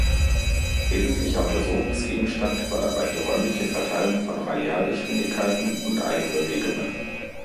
Wesentlicher Untersuchungsgegenstand war dabei die räumliche Verteilung von Radialgeschwindigkeiten und Eigenbewegungen.